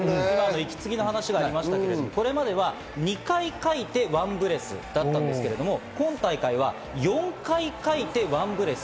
息継ぎの話がありましたが、これまでは２回かいてワンブレスだったんですけど、今大会は４回かいてワンブレス。